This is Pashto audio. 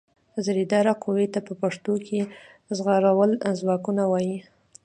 زرهدارې قوې ته په پښتو کې زغروال ځواکونه وايي.